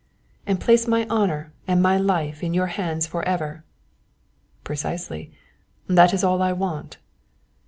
"And place my honour and my life in your hands for ever." "Precisely, that is all I want."